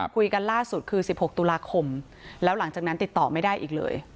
คุยกันล่าสุดคือ๑๖ตุลาคมแล้วหลังจากนั้นติดต่อไม่ได้อีกเลย